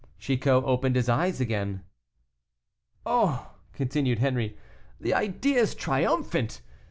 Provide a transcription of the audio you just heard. Chicot opened his eyes again. "Oh!" continued Henri, "the idea is triumphant.